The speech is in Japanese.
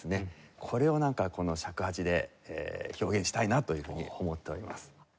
これをなんか尺八で表現したいなというふうに思っております。